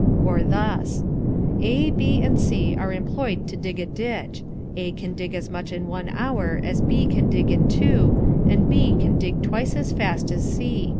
Or thus: "A, B, and C are employed to dig a ditch. A can dig as much in one hour as B can dig in two, and B can dig twice as fast as C.